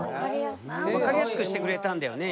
分かりやすくしてくれたんだよね